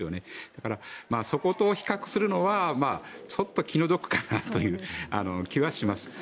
だから、そこと比較するのはちょっと気の毒かなという気はします。